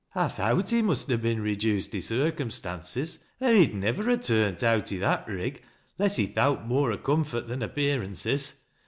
I thowt he must ha' been reduced i' circumstances, oi he'd niwer ha turnt out i' that rig 'less he thowt more o' comfort than appearances.